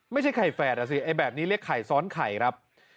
ไม่ใช่ไข่แฟดแบบนี้เรียกไข่ซ้อนไข่ครับ